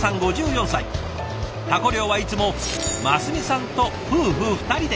タコ漁はいつも真澄さんと夫婦二人で。